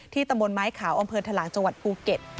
ที่ตะโมนไม้ขาวอธลังจังหวัดภูเก็ต